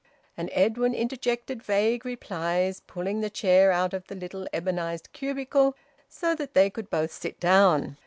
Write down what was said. And Edwin interjected vague replies, pulling the chair out of the little ebonised cubicle so that they could both sit down.